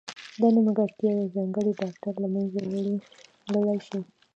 دا نیمګړتیا یو ځانګړی ډاکټر له منځه وړلای شي.